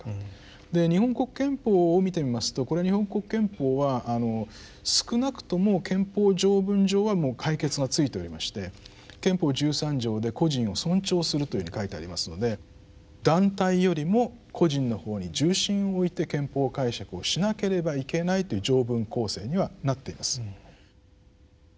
で日本国憲法を見てみますとこれ日本国憲法は少なくとも憲法条文上はもう解決がついておりまして憲法十三条で個人を尊重するというふうに書いてありますので団体よりも個人の方に重心を置いて憲法解釈をしなければいけないという条文構成にはなっています。